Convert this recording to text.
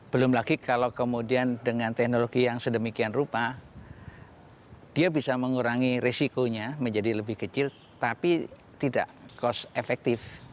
belum lagi kalau kemudian dengan teknologi yang sedemikian rupa dia bisa mengurangi risikonya menjadi lebih kecil tapi tidak cost effective